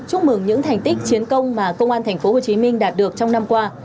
chúc mừng những thành tích chiến công mà công an tp hcm đạt được trong năm qua